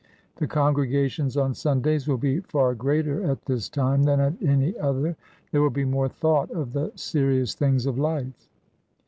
The congregations on the Sundays will be far greater at this time than at any other; there will be more thought of the serious things of life.